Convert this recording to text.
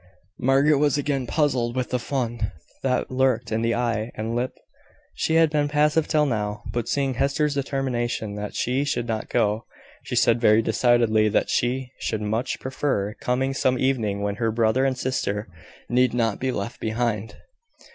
Margaret was again puzzled with the fun that lurked in the eye and lip. She had been passive till now; but seeing Hester's determination that she should not go, she said very decidedly that she should much prefer coming some evening when her brother and sister need not be left behind.